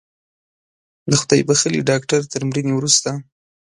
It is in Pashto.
د خدای بښلي ډاکتر تر مړینې وروسته